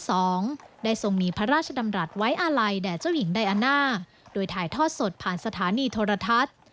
ได้ทรงมีพระราชดำรัฐไว้อาลัยแด่เจ้าหญิงไดอาน่าโดยถ่ายทอดสดผ่านสถานีโทรทัศน์